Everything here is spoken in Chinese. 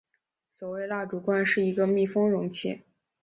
所谓蜡烛罐是一个密封容器。